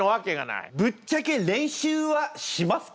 ぶっちゃけ練習はしますか？